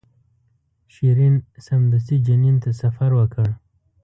شیرین سمدستي جنین ته سفر وکړ.